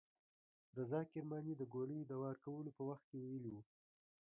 رضا کرماني د ګولۍ د وار کولو په وخت کې ویلي وو.